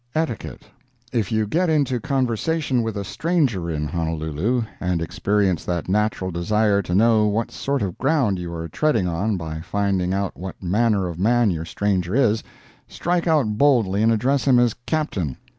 ETIQUETTE If you get into conversation with a stranger in Honolulu, and experience that natural desire to know what sort of ground you are treading on by finding out what manner of man your stranger is, strike out boldly and address him as "Captain."